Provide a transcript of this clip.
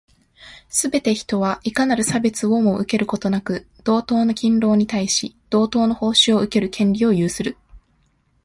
すべて人は、いかなる差別をも受けることなく、同等の勤労に対し、同等の報酬を受ける権利を有する。